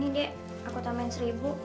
ini dek aku tambahin seribu